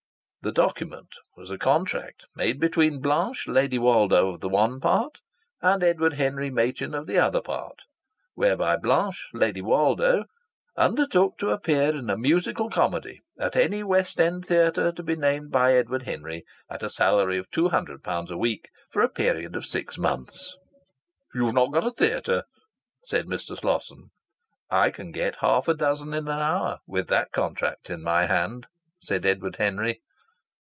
The document was a contract made between Blanche Lady Woldo of the one part and Edward Henry Machin of the other part, whereby Blanche Lady Woldo undertook to appear in musical comedy at any West End Theatre to be named by Edward Henry, at a salary of two hundred pounds a week for a period of six months. "You've not got a theatre," said Mr. Slosson. "I can get half a dozen in an hour with that contract in my hand," said Edward Henry.